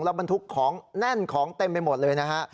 แล้วบรรทุกของแน่นของเต็มไปหมดเลยนะฮะ